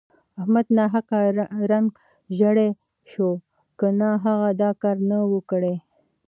احمد ناحقه رنګ ژړی شو که نه هغه دا کار نه وو کړی.